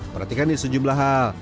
perhatikan nih sejumlah hal